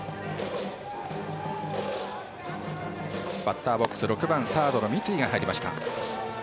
バッターボックスサード６番、三井が入りました。